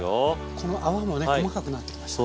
この泡もね細かくなってきましたね。